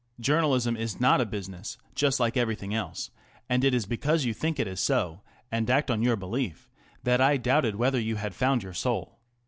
" Journal ism is not a business just like everything else, and it is because you think it is so, and act on your belief, that I doubted whether you had found your soul.